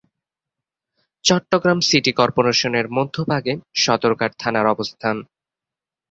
Chittagong city কর্পোরেশনের মধ্যভাগে সদরঘাট থানার অবস্থান।